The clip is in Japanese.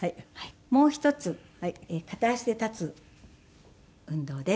もう一つ片足で立つ運動です。